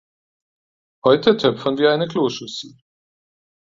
Heute töpfern wir eine Kloschüssel.